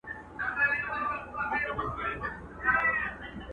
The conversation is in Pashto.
اې د مځكى پر مخ سيورې د يزدانه !.